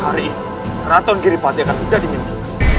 hari ini raton giripati akan menjadi milik